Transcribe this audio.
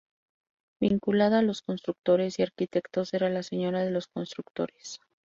Vinculada a los constructores y arquitectos, era la "Señora de los constructores".